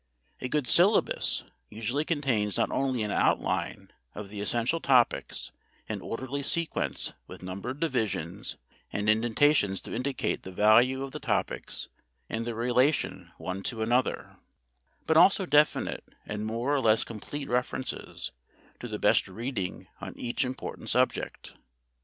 A good syllabus usually contains not only an outline of the essential topics in orderly sequence with numbered divisions and indentations to indicate the value of the topics and their relation one to another, but also definite and more or less complete references to the best reading on each important subject.